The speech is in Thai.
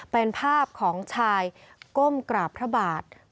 เป็นภาพของชายก้มกราบพระบาท